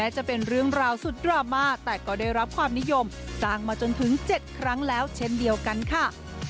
จะเป็นเรื่องราวสุดดราม่าแต่ก็ได้รับความนิยมสร้างมาจนถึง๗ครั้งแล้วเช่นเดียวกันค่ะ